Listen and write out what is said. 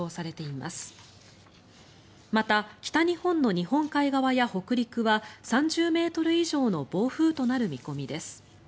また、北日本の日本海側や北陸は３０ｍ以上の暴風となる見込みです。